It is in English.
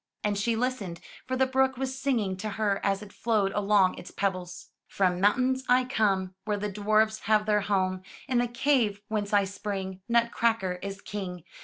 And she listened, for the brook was singing to her as it flowed along its pebbles: 'Trom mountains I come, Where the dwarfs have their home. In the cave whence I spring, Nutcracker is King.